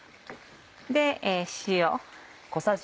で塩。